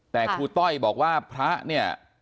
แต่ครูต้อยบอกว่าพระเนี่ย